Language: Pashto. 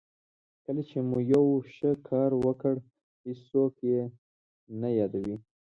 کله چې مو یو ښه کار وکړ هېڅوک یې نه یادوي.